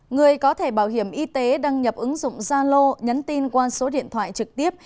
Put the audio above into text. người có thẻ bảo hiểm y tế đăng nhập ứng dụng zalo nhắn tin qua số điện thoại trực tiếp